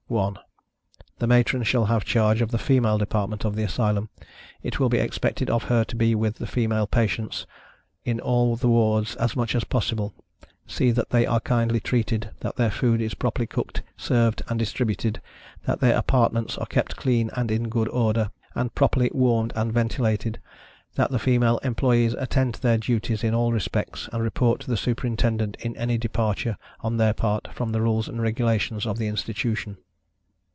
1. The Matron shall have charge of the female department of the Asylum. It will be expected of her to be with the female patients, in all the wards, as much as possible; see that they are kindly treated; that their food is properly cooked, served and distributed; that their apartments are kept clean and in good order, and properly warmed and ventilated; that the female employees attend to their duties in all respects, and report to the Superintendent any departure, on their part, from the rules and regulations of the Institution.